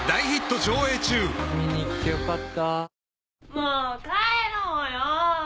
もう帰ろうよー！